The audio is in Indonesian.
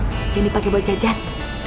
jangan dipake bojajan